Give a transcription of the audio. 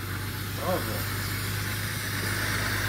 Tettɣaḍemt.